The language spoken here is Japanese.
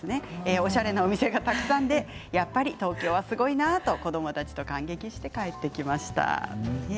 おしゃれなお店がたくさんでやっぱり東京すごいなと子どもたちと感心して帰ってきました。